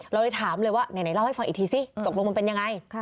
เราเลยถามเลยว่าไหนเล่าให้ฟังอีกทีซิตกลงมันเป็นยังไง